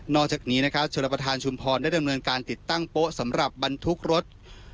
จากนี้นะครับชนประธานชุมพรได้ดำเนินการติดตั้งโป๊ะสำหรับบรรทุกรถ